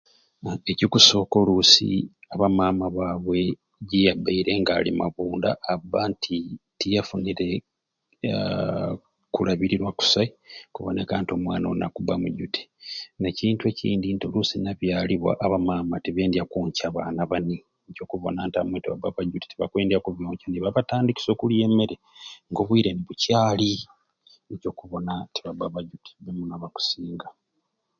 Ekikusoka olusi aba mama babwe jiyabaire nga alimabunda abba nti tiyafunire aahh kulabirirwa kusai kuboneka nti omwana oni akuba mujuti nekintu ekindi nti olusi nabyalibwa aba mama tibendya kwonkya baana bani nikyo okubona nti abamwei tibabba bajuti tibakwendya kubonkya nibabatandikisya okulya emeere nga obwire mbukyali nikyo okubona tibabba bajuti bee muno abakusinga.